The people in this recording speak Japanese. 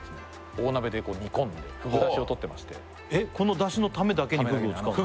大鍋で煮込んでフグ出汁をとってましてえっこの出汁のためだけにフグを使うの？